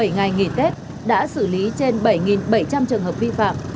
bảy ngày nghỉ tết đã xử lý trên bảy bảy trăm linh trường hợp vi phạm